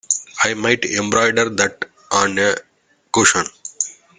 I might embroider that on a cushion.